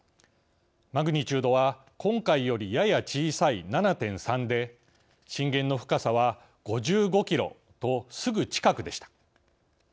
マグニチュードは今回よりやや小さい７．３で震源の深さは５５キロとすぐ近くでした。